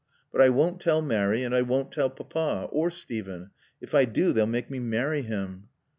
But I won't tell Mary, and I won't tell Papa. Or Steven. If I do they'll make me marry him."